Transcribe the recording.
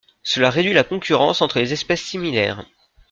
Cela réduit la concurrence entre les espèces similaires.